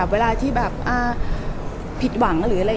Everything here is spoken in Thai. เวลาที่ผิดหวัง